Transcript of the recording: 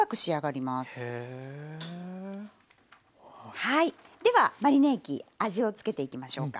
はいではマリネ液味を付けていきましょうか。